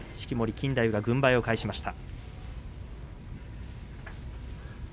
錦太夫、軍配を返しました。